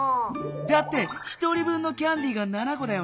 だって１人分のキャンディーが７こだよね？